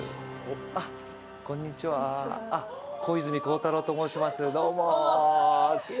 小泉孝太郎と申します。